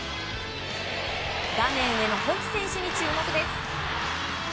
画面上の保木選手に注目です。